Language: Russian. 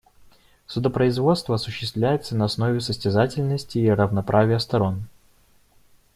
Судопроизводство осуществляется на основе состязательности и равноправия сторон.